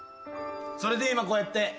それで今こうやって。